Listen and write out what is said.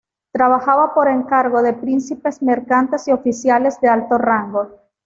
Trabajaba por encargo de príncipes mercantes y oficiales de alto rango.